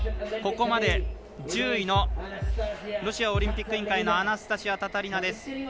ここまで１０位のロシアオリンピック委員会のアナスタシヤ・タタリナです。